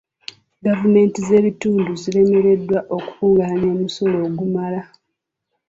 Gavumenti z'ebitundu ziremereddwa okukungaanya omusolo ogumala.